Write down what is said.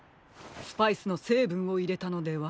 スパイスのせいぶんをいれたのでは？